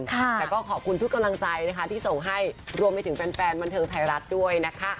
แต่ก็ขอบคุณทุกกำลังใจนะคะที่ส่งให้รวมไปถึงแฟนบันเทิงไทยรัฐด้วยนะคะ